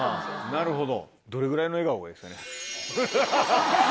なるほど。